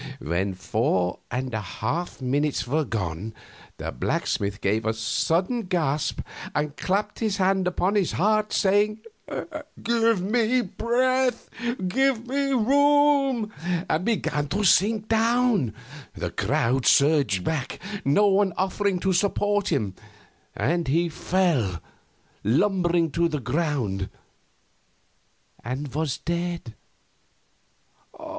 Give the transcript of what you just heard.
When four and a half minutes were gone the blacksmith gave a sudden gasp and clapped his hand upon his heart, saying, "Give me breath! Give me room!" and began to sink down. The crowd surged back, no one offering to support him, and he fell lumbering to the ground and was dead.